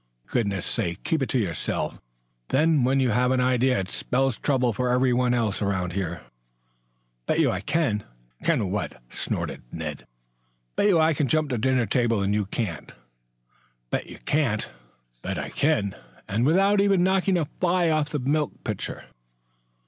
"For goodness' sake, keep it to yourself, then. When you have an idea it spells trouble for everybody else around you." "Bet you I can." "Can what?" snorted Ned. "Bet you I can jump the dinner table and you can't." "Bet you can't." "Bet I can, and without even knocking a fly off the milk pitcher."